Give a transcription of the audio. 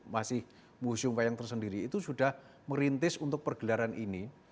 masih museum wayang tersendiri itu sudah merintis untuk pergelaran ini